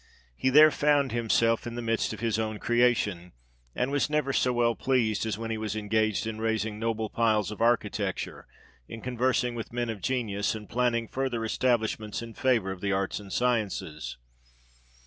He there found himself in the midst of his own creation ; and was never so well pleased, as when he was engaged in raising noble piles of architecture, in conversing with men of genius, and planning future establishments in favour of the arts and sciences.